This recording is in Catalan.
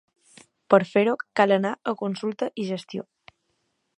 Per fer-ho cal anar a "consulta i gestió".